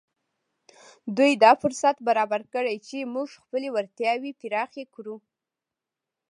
دوی دا فرصت برابر کړی چې موږ خپلې وړتیاوې پراخې کړو